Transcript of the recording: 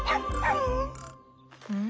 うん？